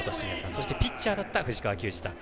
そして、ピッチャーだった藤川球児さん。